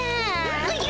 おじゃ。